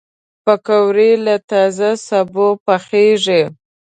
پکورې له تازه سبو پخېږي